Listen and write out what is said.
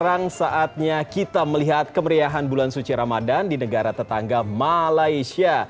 sekarang saatnya kita melihat kemeriahan bulan suci ramadan di negara tetangga malaysia